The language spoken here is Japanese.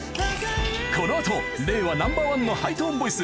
この後令和ナンバーワンのハイトーンボイス